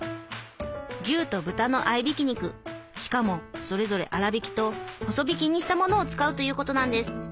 牛と豚の合いびき肉しかもそれぞれ粗びきと細びきにしたものを使うということなんです。